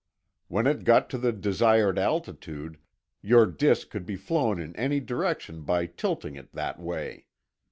When it got to the desired altitude, your disk could be flown in any direction by tilting it that way.